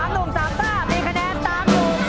ทีม๓หนุ่ม๓ต้ามีคะแนน๓หนุ่ม๒คะแนน